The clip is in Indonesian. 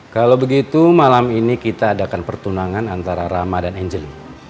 kalau begitu malam ini kita adakan pertunangan antara rama dan angeli